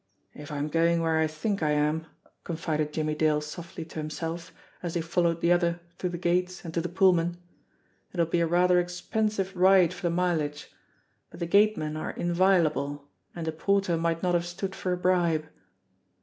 "If I'm going where I think I am," confided Jimmie Dale softly to himself, as he followed the other through the gates and to the Pullman, "it'll be a rather expensive ride for the AT "THE WHITE RAT M 277 mileage but the gatemen are inviolable and the porter might not have stood for a bribe."